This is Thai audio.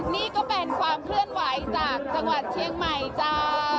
นี่ก็เป็นความเคลื่อนไหวจากจังหวัดเชียงใหม่จ้า